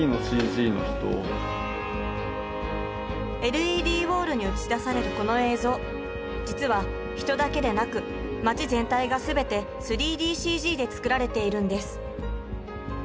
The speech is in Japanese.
ＬＥＤウォールに映し出されるこの映像実は人だけでなく町全体が全て３ＤＣＧで作られているんです